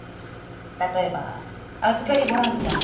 例えば預かりボランティアとか。